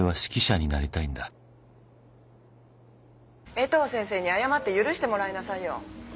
江藤先生に謝って許してもらいなさいよ。